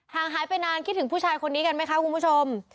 หายไปนานคิดถึงผู้ชายคนนี้กันไหมคะคุณผู้ชม